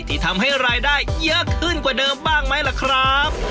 ที่ทำให้รายได้เยอะขึ้นกว่าเดิมบ้างไหมล่ะครับ